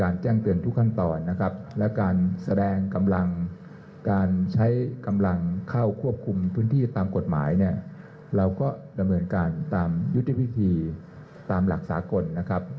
เราก็ดำเนินการตามยุทธวิธีตามหลักสากลนะครับ